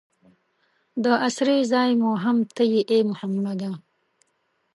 د اسرې ځای مو هم ته یې ای محمده.